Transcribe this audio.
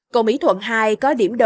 cầu mỹ thuận hai có điểm đầu